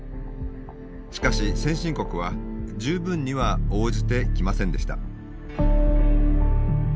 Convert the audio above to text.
しかし先進国は十分には応じてきませんでした。